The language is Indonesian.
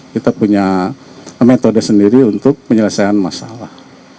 kita punya metode sendiri untuk penyelesaian masalah